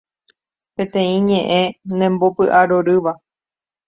Peteĩ ñe'ẽ nembopy'arorýva